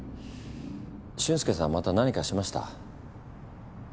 俊介さんまた何かしました？